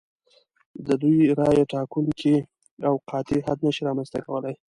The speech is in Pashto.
د دوی رایې ټاکونکی او قاطع حد نشي رامنځته کولای.